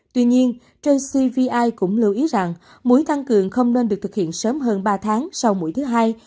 tuy nhiên jcvi cũng lưu ý rằng muối tăng cường không nên được thực hiện sớm hơn ba tháng sau mũi thứ hai